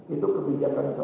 itu kebijakan saya